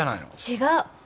違う。